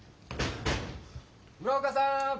・村岡さん。